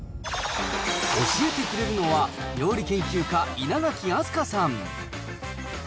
教えてくれるのは、料理研究家、稲垣飛鳥さん。